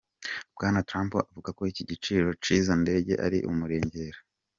Bwana Trump avuga ko igiciro c'izo ndege ari umurengera.